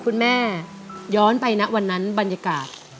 คุณแม่ย้อนไปนะวันนั้นบรรยากาศ